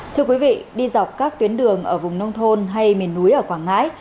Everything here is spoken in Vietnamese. thưa quý vị đi dọc các tuyến đường ở vùng nông thôn hay miền núi ở quảng ngãi